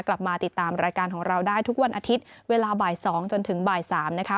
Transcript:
กลับมาติดตามรายการของเราได้ทุกวันอาทิตย์เวลาบ่าย๒จนถึงบ่าย๓นะคะ